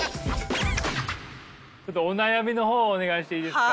ちょっとお悩みの方をお願いしていいですか。